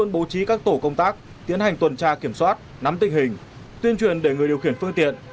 bố trí các tổ công tác tiến hành tuần tra kiểm soát nắm tình hình tuyên truyền để người điều khiển phương tiện